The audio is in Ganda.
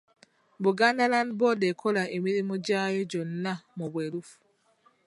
Buganda Land Board ekola emirimu gyayo gyonna mu bwerufu.